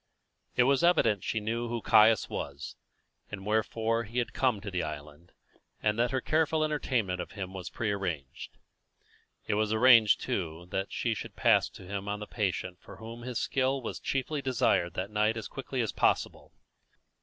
It was evident she knew who Caius was, and wherefore he had come to the island, and that her careful entertainment of him was prearranged. It was arranged, too, that she should pass him on to the patient for whom his skill was chiefly desired that night as quickly as possible.